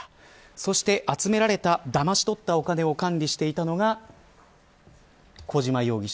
そして集められただまし取ったお金を管理していたのが小島容疑者。